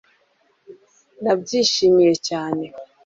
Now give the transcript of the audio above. Nabyishimiye cyane